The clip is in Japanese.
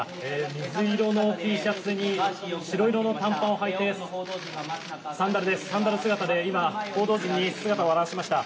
水色のＴシャツに白色の短パンをはいてサンダル姿で今、報道陣に姿を現しました。